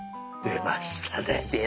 出ました。